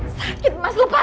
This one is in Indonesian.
sakit mas lo kasih gak